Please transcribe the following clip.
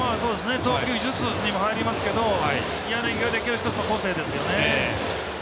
投球術にも入りますけど柳ができる１つの個性ですよね。